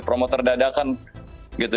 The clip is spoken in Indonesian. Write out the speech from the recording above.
promoter dadakan gitu